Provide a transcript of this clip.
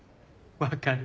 分かる。